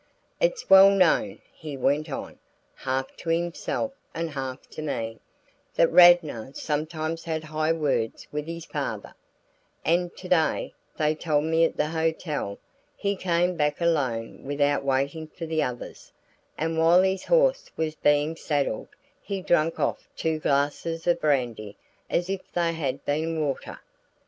"It's well known," he went on, half to himself and half to me, "that Radnor sometimes had high words with his father; and to day, they tell me at the hotel, he came back alone without waiting for the others, and while his horse was being saddled he drank off two glasses of brandy as if they had been water.